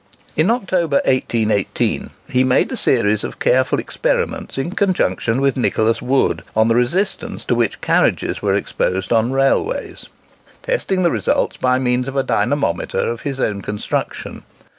In October, 1818, he made a series of careful experiments in conjunction with Nicholas Wood, on the resistance to which carriages were exposed on railways, testing the results by means of a dynamometer of his own construction.